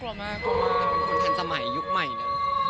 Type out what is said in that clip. เราเป็นคนทันสมัยยุคใหม่นะ